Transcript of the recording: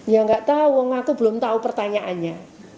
ya nggak tahu aku belum tahu pertanyaannya